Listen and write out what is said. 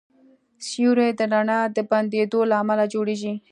سیوری د رڼا د بندېدو له امله جوړېږي.